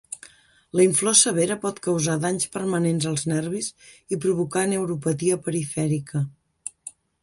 La inflor severa pot causar danys permanents als nervis i provocar neuropatia perifèrica.